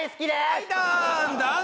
はいどんどん。